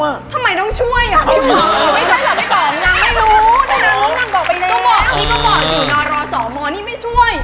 มีประบอบอยู่นอนรอสอโจนี่ไม่ช่วย